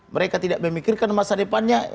mereka tidak memikirkan masa depannya